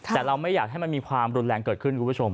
แต่เราไม่อยากให้มันมีความรุนแรงเกิดขึ้น